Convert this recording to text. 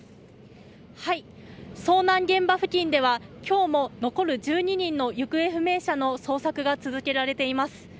遭難現場付近では今日も残る１２人の行方不明者の捜索が続けられています。